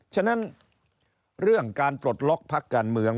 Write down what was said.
ฉะนั้นเรื่องการปลดล็อกพักการเมือง